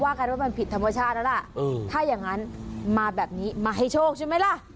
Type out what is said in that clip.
กันว่ามันผิดธรรมชาติแล้วล่ะถ้าอย่างนั้นมาแบบนี้มาให้โชคใช่ไหมล่ะ